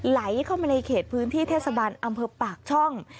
ไหลเข้ามาในเขตพื้นที่เทศบาลอำเภอปากช่อง